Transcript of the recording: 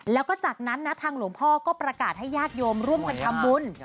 แล้วก็จากนั้นนะทางหลวงพ่อก็ประกาศให้ญาติโยมร่วมกันทำบุญ